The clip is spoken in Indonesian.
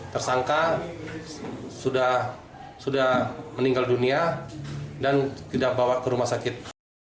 tersangka sudah meninggal dunia dan tidak bawa ke rumah sakit